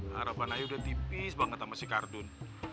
harapan aja udah tipis banget sama si kardun